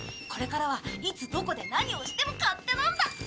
これからはいつどこで何をしても勝手なんだ！